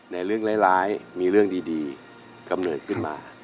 ในเรื่องร้ายมีเรื่องดีกำเนิดขึ้นมา